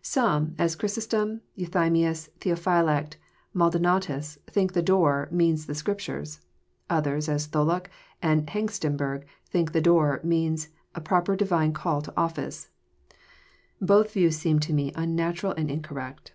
Some, as Chrysostom, Enthymius, Theophylact, Maldonatus, think the ''door" means the Scriptures. Others, as Tholuck and Hengstenberg, think the door" means a proper divine call to office. Both views seem to me unnatural and incorrect.